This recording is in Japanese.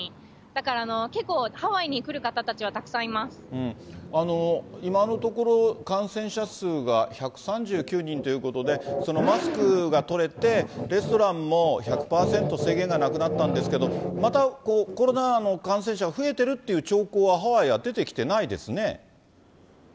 だから、結構、ハワイに来る方た今のところ、感染者数が１３９人ということで、マスクが取れて、レストランも１００％制限がなくなったんですけど、またコロナの感染者、増えてるっていう兆候は、ハワイは出てきてないですね。